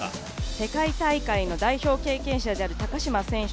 世界大会の代表経験である高島選手